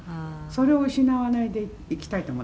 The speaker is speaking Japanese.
「それを失わないでいきたいと。